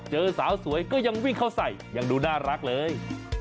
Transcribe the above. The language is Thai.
เจอสาวสวยก็ยังวิ่งเข้าใส่ยังดูน่ารักเลย